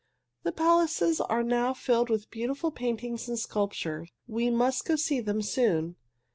The palaces are now filled with beautiful paintings and sculpture. We must go to see them soon."